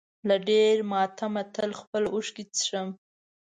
له ډېر ماتمه تل خپلې اوښکې څښم.